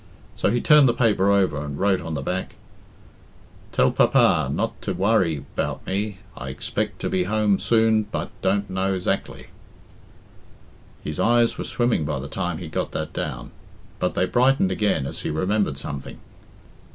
So he turned the paper over and wrote on the back "tell pa pa not to wurry about me i aspect to be home sune but dont no ezactly" His eyes were swimming by the time he got that down, but they brightened again as he remembered something.